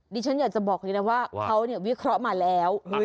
ดิฉันอยากเรียกรู้ว่าเขาวิเคราะห์มาแล้ว